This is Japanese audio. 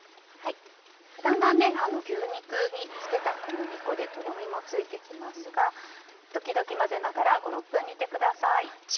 だんだん牛肉に付けた小麦粉でとろみもついて来ますが時々混ぜながら５６分煮てください。